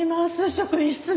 職員室に。